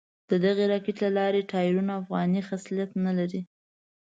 ددغې راکېټ لارۍ ټایرونه افغاني خصلت نه لري.